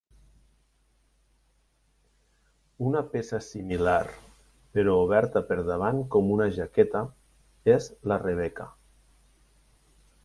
Una peça similar, però oberta per davant com una jaqueta, és la rebeca.